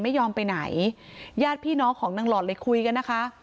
ไม่ยอมไปไหนญาติพี่น้องของนางหลอดเลยคุยกันนะคะ